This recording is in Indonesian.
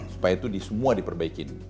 supaya itu semua diperbaikin